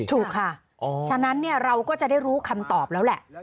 ถูกค่ะฉะนั้นเราก็จะได้รู้คำตอบแล้วแหละ